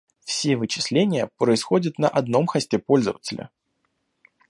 Все вычисления происходят на одном хосте пользователя